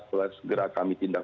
setelah segera kami tindak